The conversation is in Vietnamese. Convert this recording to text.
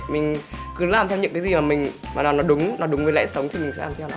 mình cứ làm theo những cái gì mà mình mà nó đúng nó đúng với lẽ sống thì mình sẽ làm theo nó ạ